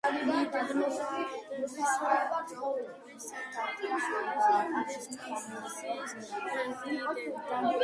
ნიდერლანდების სამეფოს კულტურის საერთაშორისო ფონდის „კავკასიის“ პრეზიდენტი.